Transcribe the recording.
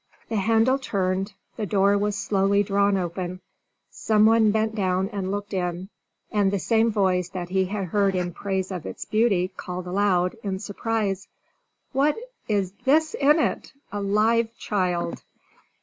The handle turned, the door was slowly drawn open, someone bent down and looked in, and the same voice that he had heard in praise of its beauty called aloud, in surprise, "What is this in it? A live child!"